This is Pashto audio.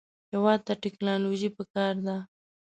هېواد ته ټیکنالوژي پکار ده